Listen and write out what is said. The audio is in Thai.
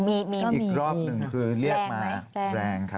มีอีกรอบหนึ่งคือเรียกมาแรงครับ